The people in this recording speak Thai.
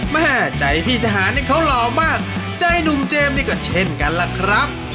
แม่ใจพี่ทหารนี่เขาหล่อมากใจหนุ่มเจมส์นี่ก็เช่นกันล่ะครับ